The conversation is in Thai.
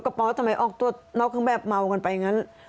รถกระป๋อทำไมออกตัวนอกขึ้นแบบเมากันไปอย่างนั้น